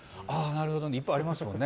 いっぱいありますもんね。